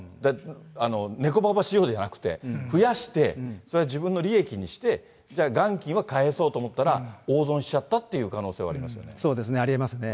ネコババしようじゃなくて、増やして、それは自分の利益にして、じゃあ、元金は返そうと思ったら、大損しちゃったっていう可能性はありまそうですね、ありえますね。